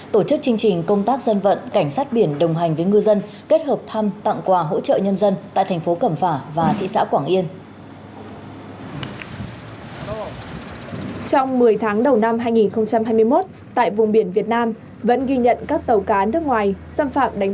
tổ công tác thuộc đội cảnh sát số sáu công an thành phố hà nội đã bố trí thức lượng